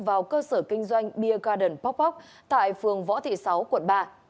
vào cơ sở kinh doanh beer garden pop pop tại phường võ thị sáu quận ba